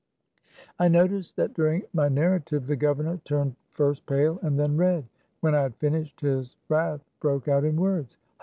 I noticed that during my narrative the gov ernor turned first pale and then red. When I had finished his wrath broke out in words.